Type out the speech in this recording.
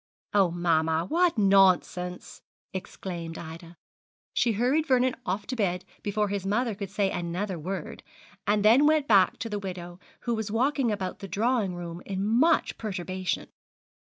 'Oh, mamma, what nonsense!' exclaimed Ida. She hurried Vernon off to bed before his mother could say another word, and then went back to the widow, who was walking about the drawing room in much perturbation.